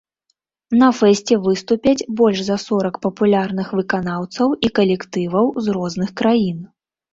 На фэсце выступяць больш за сорак папулярных выканаўцаў і калектываў з розных краін.